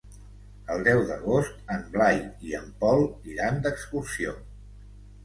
El deu d'agost en Blai i en Pol iran d'excursió.